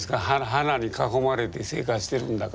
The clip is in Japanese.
花に囲まれて生活してるんだから。